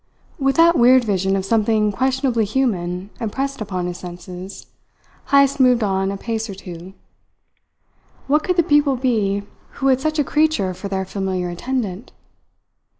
With that weird vision of something questionably human impressed upon his senses, Heyst moved on a pace or two. What could the people be who had such a creature for their familiar attendant?